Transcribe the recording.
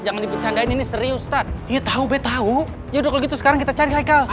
jangan dipencanggain ini serius start ya tahu betahu yaudah gitu sekarang kita cari hai kalau